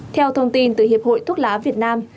theo thông tin từ hiệp hội thuốc lá việt nam